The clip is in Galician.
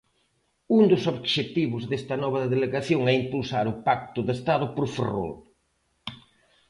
Un dos obxectivos desta nova delegación é impulsar o Pacto de Estado por Ferrol.